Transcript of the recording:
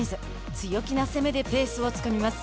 強気な攻めでペースをつかみます。